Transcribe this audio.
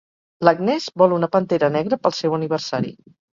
L'Agnès vol una pantera negra pel seu aniversari.